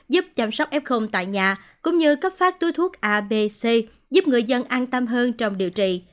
giúp chăm sóc f tại nhà cũng như cấp phát túi thuốc abc giúp người dân an tâm hơn trong điều trị